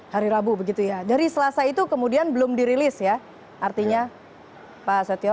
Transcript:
hari rabu begitu ya dari selasa itu kemudian belum dirilis ya artinya pak setio